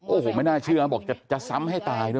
โอ้โหไม่น่าเชื่อบอกจะซ้ำให้ตายด้วย